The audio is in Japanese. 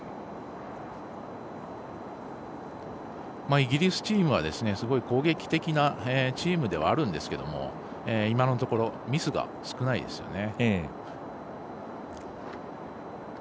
イギリスチームはすごい攻撃的なチームではあるんですが今のところ、ミスが少ないですね。